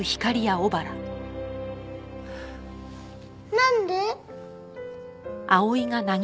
なんで？